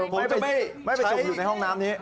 ผมไม่ไปจมอยู่ในห้องน้ำนี้